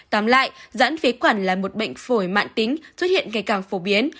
tóm lại giãn phế quản là một bệnh phổi mạng tính xuất hiện ngày càng phổ biến